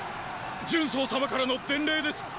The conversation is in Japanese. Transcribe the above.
荀早様からの伝令です！